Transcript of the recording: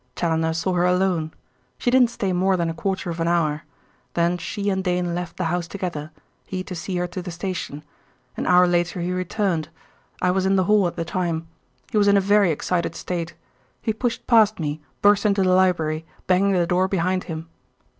Challoner saw her alone. She didn't stay more than a quarter of an hour. Then she and Dane left the house together, he to see her to the station. An hour later he returned. I was in the hall at the time. He was in a very excited state. He pushed past me, burst into the library, banging the door behind him.